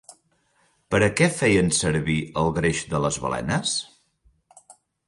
Per a què feien servir el greix de les balenes?